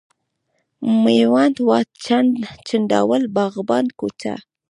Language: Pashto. میوند واټ، چنداول، باغبان کوچه،